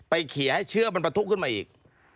เขียให้เชื้อมันประทุขึ้นมาอีก